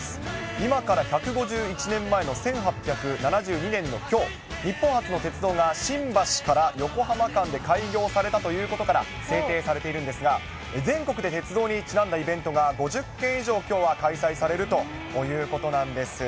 今から１５１年前の１８７２年のきょう、日本初の鉄道が新橋から横浜間で開業されたということから制定されているんですが、全国で鉄道にちなんだイベントが、５０件以上きょうは開催されるということなんです。